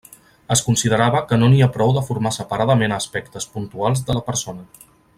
Es considerava que no n’hi ha prou de formar separadament aspectes puntuals de la persona.